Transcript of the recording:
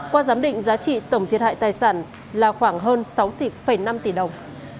qua giám định giá trị tổng thiệt hại tài sản là khoảng hơn sáu năm tỷ đồng